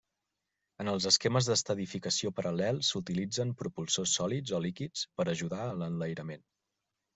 En els esquemes d'estadificació paral·lels s'utilitzen propulsors sòlids o líquids per ajudar a l'enlairament.